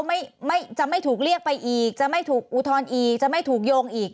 ไม่ไม่จะไม่ถูกเรียกไปอีกจะไม่ถูกอุทธรณ์อีกจะไม่ถูกโยงอีก